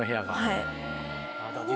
はい。